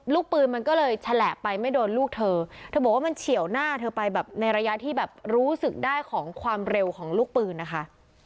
ลูกปืนมันก็เลยแฉละไปไม่โดนลูกเธอเธอบอกว่ามันเฉียวหน้าเธอไปแบบในระยะที่แบบรู้สึกได้ของความเร็วของลูกปืนนะคะ